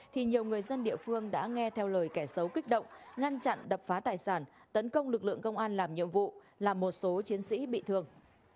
thì nhiều người dân địa phương đã nghe theo lời kẻ xấu kích động ngăn chặn đập phá tài sản tấn công lực lượng công an làm nhiệm vụ làm một số chiến sĩ bị thương